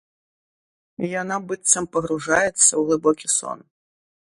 Яна быццам пагружаецца ў глыбокі сон.